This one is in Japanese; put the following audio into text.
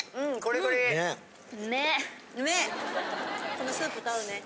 このスープと合うね。